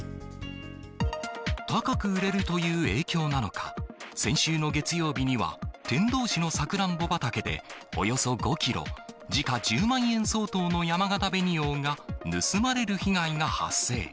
高く売れるという影響なのか、先週の月曜日には、天童市のさくらんぼ畑でおよそ５キロ、時価１０万円相当のやまがた紅王が盗まれる被害が発生。